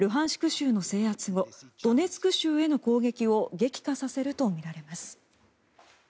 州の制圧後ドネツク州への攻撃を激化させるとみられます。